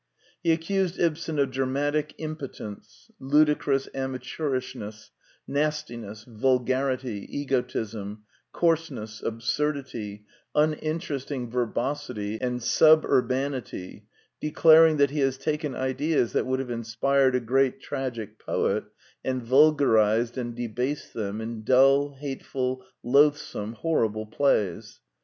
He accused Ibsen of dramatic impotence, ludi crous amateurishness, nastiness, vulgarity, egotism, coarseness, absurdity, uninteresting verbosity, and '* suburbanity," declaring that he has taken ideas that would have inspired a great tragic poet, and vulgarized and debased them in dull, hateful, loathsome, horrible plays.